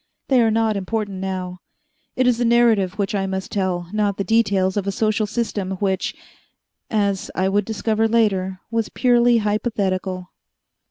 They are not important now. It is the narrative which I must tell, not the details of a social system which, as I would discover later, was purely hypothetical.